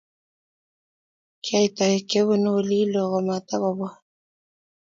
Kiyai toek Che punu olin loo kumatukopwa